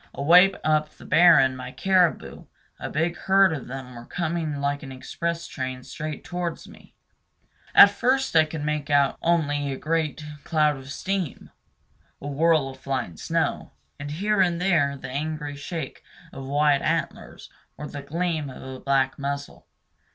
Away up the barren my caribou, a big herd of them, were coming like an express train straight towards me. At first I could make out only a great cloud of steam, a whirl of flying snow, and here and there the angry shake of wide antlers or the gleam of a black muzzle.